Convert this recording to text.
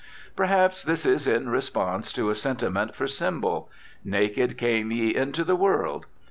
Perhaps this is in response to a sentiment for symbol: naked came ye into the world.